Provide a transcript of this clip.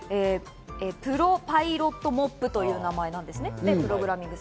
プロパイロットモップという名前です。